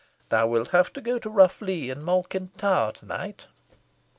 Thou wilt have to go to Rough Lee and Malkin Tower to night."